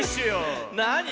なに？